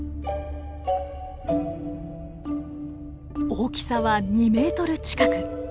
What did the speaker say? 大きさは２ｍ近く。